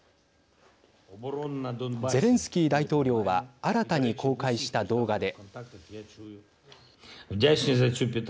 ゼレンスキー大統領は新たに公開した動画で。